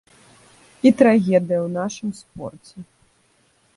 І трагедыя ў нашым спорце.